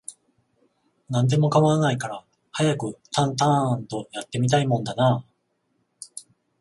何でも構わないから、早くタンタアーンと、やって見たいもんだなあ